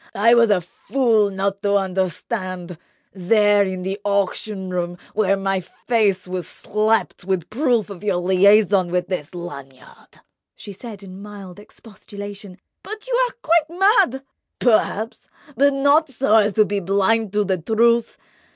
I was a fool not to understand, there in the auction room, when my face was slapped with proof of your liaison with this Lanyard!" She said in mild expostulation: "But you are quite mad." "Perhaps—but not so as to be blind to the truth.